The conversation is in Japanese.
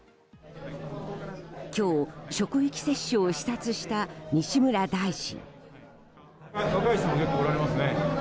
今日、職域接種を視察した西村大臣。